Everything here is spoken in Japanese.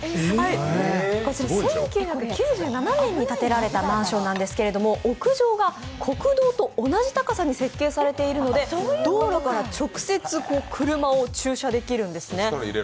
１９９７年に建てられたマンションなんですけれども屋上が国道と同じ高さに設計されているので道路から直接車を駐車できるんですね。